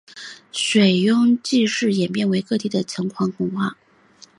水庸祭祀演变为各地的城隍文化。